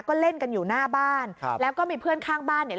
ก็เล่นกันอยู่หน้าบ้านครับแล้วก็มีเพื่อนข้างบ้านเนี่ย